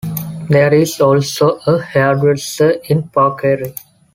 There is also a hairdresser in Porkeri.